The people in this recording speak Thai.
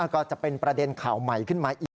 ก็จะเป็นประเด็นข่าวใหม่ขึ้นมาอีก